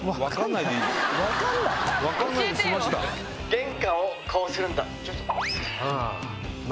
玄関をこうするんだ。